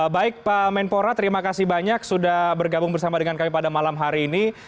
baik pak menpora terima kasih banyak sudah bergabung bersama dengan kami pada malam hari ini